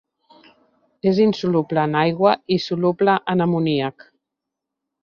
És insoluble en aigua i soluble en amoníac.